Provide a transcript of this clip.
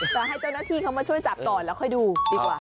ก็ให้เจ้าหน้าที่เขามาช่วยจับก่อนแล้วค่อยดูดีกว่า